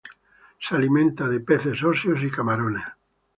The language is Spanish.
Se alimenta de peces óseos y camarones.